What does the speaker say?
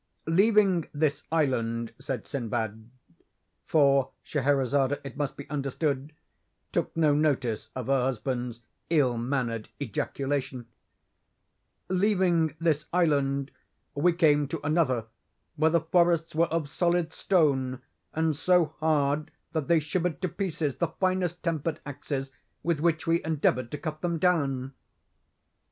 "'Leaving this island,' said Sinbad—(for Scheherazade, it must be understood, took no notice of her husband's ill mannered ejaculation) 'leaving this island, we came to another where the forests were of solid stone, and so hard that they shivered to pieces the finest tempered axes with which we endeavoured to cut them down.